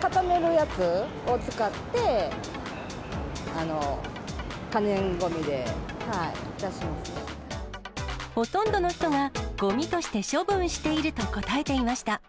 固めるやつを使って、ほとんどの人が、ごみとして処分していると答えていました。